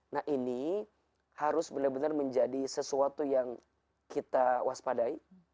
nah ini harus benar benar menjadi sesuatu yang kita waspadai